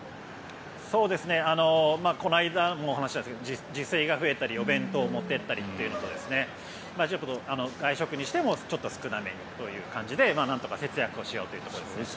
この間も話したんですが自炊が増えたりお弁当を持って行ったりというのと外食にしてもちょっと少なめという感じでなんとか節約しようというところですね。